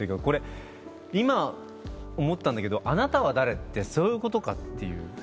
これ今思ったんだけど「あなたは誰」ってそういうことかという。